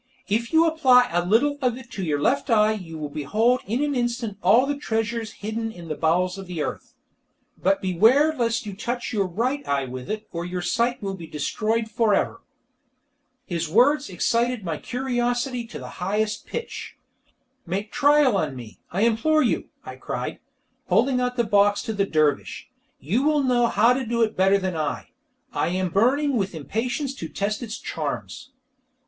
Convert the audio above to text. "If you apply a little of it to your left eye you will behold in an instant all the treasures hidden in the bowels of the earth. But beware lest you touch your right eye with it, or your sight will be destroyed for ever." His words excited my curiosity to the highest pitch. "Make trial on me, I implore you," I cried, holding out the box to the dervish. "You will know how to do it better than I! I am burning with impatience to test its charms."